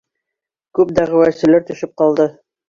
Күп дәғүәселәр төшөп ҡалды.